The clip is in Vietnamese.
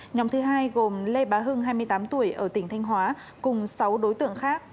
nhóm thứ hai gồm lê bá hưng hai mươi tám tuổi ở tỉnh thanh hóa cùng sáu đối tượng khác